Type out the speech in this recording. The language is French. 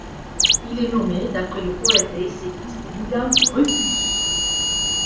Il est nommé d'après le poète et essayiste Milan Rúfus.